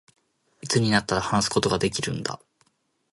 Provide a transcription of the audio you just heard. いつになったら、話すことができるんだ